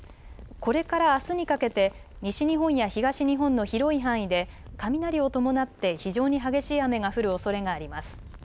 これから、あすにかけて西日本や東日本の広い範囲で雷を伴って非常に激しい雨が降るおそれがあります。